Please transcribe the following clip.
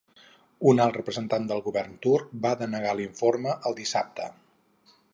Un alt representant del govern turc va denegar l'informe el dissabte.